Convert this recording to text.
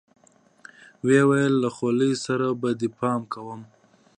ويې ويل له خولې سره به دې پام کوې.